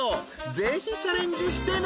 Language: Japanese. ぜひチャレンジしてね